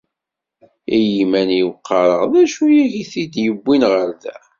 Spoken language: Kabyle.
I yiman-iw qqareɣ d acu i ak-id-yewwin ɣer da.